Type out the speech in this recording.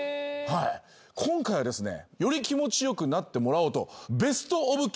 今回はですねより気持ち良くなってもらおうと。